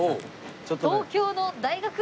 「東京の大学いも」